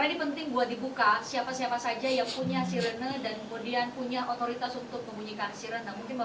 karena ini penting buat dibuka siapa siapa saja yang punya sirine dan kemudian punya otoritas untuk membunyikan sirine